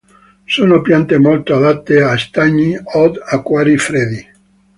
Sono piante molto adatte a stagni od acquari freddi.